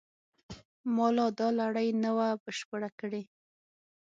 ما لا دا لړۍ نه وه بشپړه کړې.